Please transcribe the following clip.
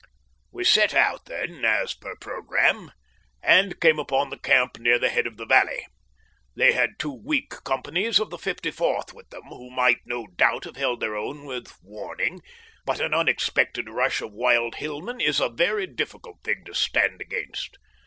We set out, then, as per programme, and came upon the camp near the head of the valley. They had two weak companies of the 54th with them who might no doubt have held their own with warning, but an unexpected rush of wild Hillmen is a very difficult thing to stand against.